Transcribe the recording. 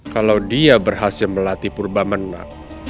kalau dia berhasil melatih purbamenak